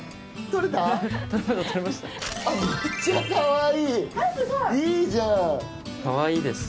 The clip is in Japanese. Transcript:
いいじゃん。